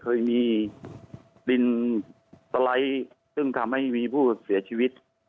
เคยมีดินสไลด์ซึ่งทำให้มีผู้เสียชีวิต